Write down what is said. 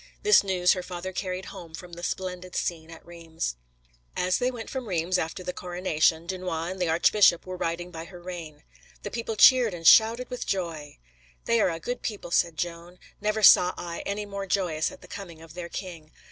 This news her father carried home from the splendid scene at Reims. As they went from Reims after the coronation, Dunois and the archbishop were riding by her rein. The people cheered and shouted with joy. "They are a good people," said Joan. "Never saw I any more joyous at the coming of their king.